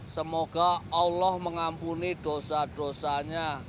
semoga allah mengampuni dosa dosanya